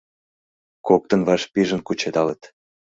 Коктын вашпижын кучедалыт.